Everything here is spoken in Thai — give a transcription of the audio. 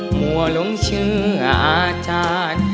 มั่วหลงเชื่ออาจารย์